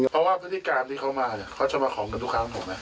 อุปฏิการที่เขามาเขาจะมาขอบกับลูกค้าเหรอไหม